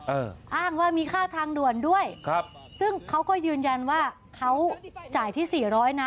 อ้างว่ามีค่าทางด่วนด้วยครับซึ่งเขาก็ยืนยันว่าเขาจ่ายที่สี่ร้อยนะ